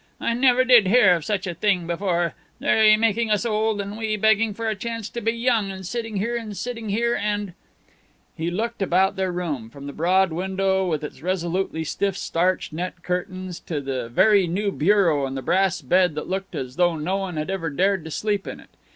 "I never did hear of such a thing before; they making us old, and we begging for a chance to be young, and sitting here and sitting here, and " He looked about their room, from the broad window with its resolutely stiff starched net curtains to the very new bureau and the brass bed that looked as though no one had ever dared to sleep in it.